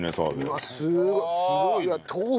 うわっすごい！